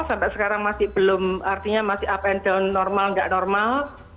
sampai sekarang masih belum artinya masih up and down normal nggak normal